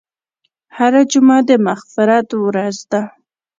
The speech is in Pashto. هره جمعه د مغفرت ورځ ده.